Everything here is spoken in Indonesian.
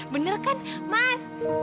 bener kan mas